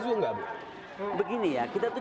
juga nggak begini ya kita tuh